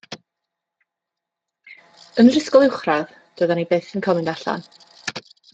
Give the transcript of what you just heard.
Yn yr ysgol uwchradd doeddan ni byth yn cael mynd allan.